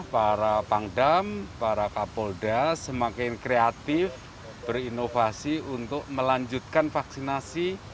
para pangdam para kapolda semakin kreatif berinovasi untuk melanjutkan vaksinasi